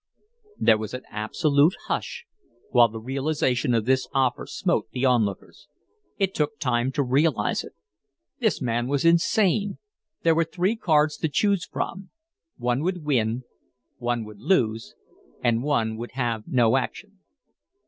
There was an absolute hush while the realization of this offer smote the on lookers. It took time to realize it. This man was insane. There were three cards to choose from one would win, one would lose, and one would have no action.